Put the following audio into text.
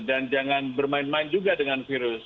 dan jangan bermain main juga dengan virus